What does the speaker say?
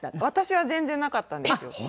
私は全然なかったんですよ。